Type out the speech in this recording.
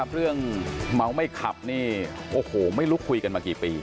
เรื่องเมาไม่ขับนี่โอ้โหไม่รู้คุยกันมากี่ปี